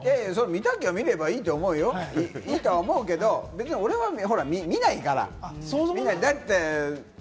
見たきゃ見ればいいと思うよ、いいとは思うけど、俺は見ないから。